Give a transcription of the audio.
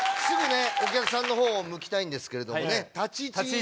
すぐお客さんのほうを向きたいんですけれどもね。